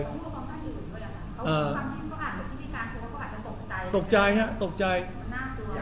หรือคนที่พิการ๔๓ก็อาจจะตกใจตกใจฮะตกใจอ่า